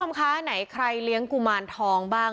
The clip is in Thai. ในส่วนข้อมค้าไหนใครเลี้ยงกุมารทองบ้าง